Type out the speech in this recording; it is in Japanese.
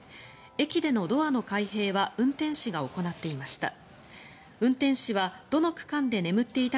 駅でのドアの開閉は運転士が行っていました。